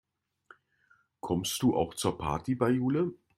Kommst du auch zur Party bei Jule?